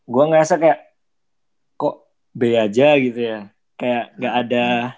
gue ngerasa kayak kok b aja gitu ya kayak gak ada